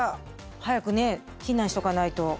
早くね避難しとかないと。